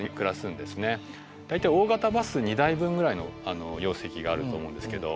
大体大型バス２台分ぐらいの容積があると思うんですけど。